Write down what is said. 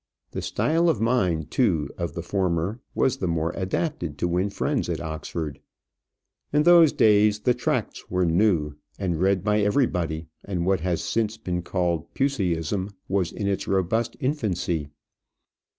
The style of mind, too, of the former was the more adapted to win friends at Oxford. In those days the Tracts were new, and read by everybody, and what has since been called Puseyism was in its robust infancy.